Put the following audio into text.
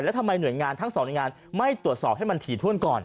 แล้วทำไมหน่วยงานทั้งสองหน่วยงานไม่ตรวจสอบให้มันถี่ถ้วนก่อน